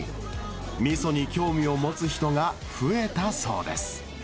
みそに興味を持つ人が増えたそうです。